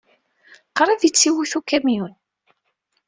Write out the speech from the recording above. Qrib ay tt-iwit ukamyun.